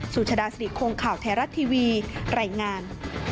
สุชฎาศิริโครงข่าวแทรรัติทีวีไหล่งาน